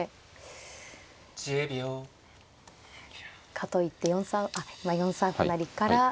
かといって４三あっ今４三歩成から。